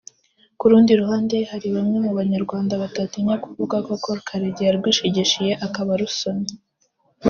Ku rundi ruhande hari bamwe mu banyarwanda batatinye kuvuga ko Col Karegeya yarwishigishiye akaba arusomye